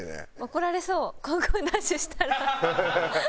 怒られそうコンコンダッシュしたら。